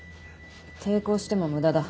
抵抗しても無駄だ。